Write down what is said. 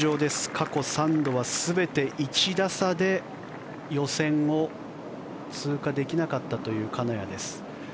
過去３度は全て１打差で予選を通過できなかったという金谷です。